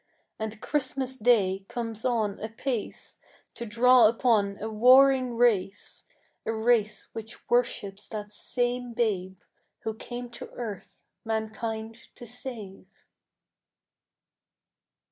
And Christmas day comes on apace To dawn upon a warring race, A race which worships that same babe Who came to earth, mankind to save.